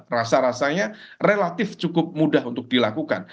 rasa rasanya relatif cukup mudah untuk dilakukan